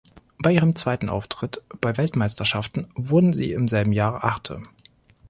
Bei ihrem zweiten Auftritt bei Weltmeisterschaften wurden sie im selben Jahr Achte.